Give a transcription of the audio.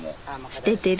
捨ててる。